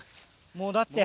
もうだって。